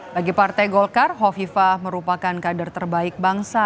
bagi partai golkar hovifah merupakan kader terbaik bangsa